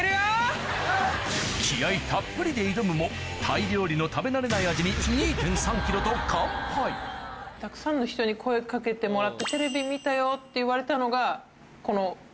気合たっぷりで挑むもタイ料理の食べ慣れない味に２．３ｋｇと完敗たくさんの人に声掛けてもらって。って言われたのが。